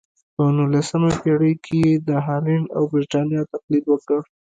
په نولسمه پېړۍ کې یې د هالنډ او برېټانیا تقلید وکړ.